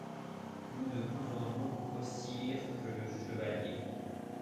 Nous ne pouvons donc occir que le chevalier ?